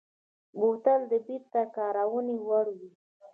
بوتل د بېرته کارونې وړ وي.